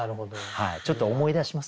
ちょっと思い出します。